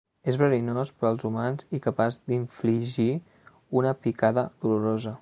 És verinós per als humans i capaç d'infligir una picada dolorosa.